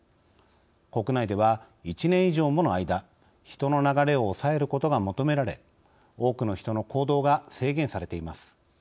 国内では１年以上もの間人の流れを抑えることが求められ多くの人の行動が制限されています。